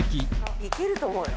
いけると思うよ。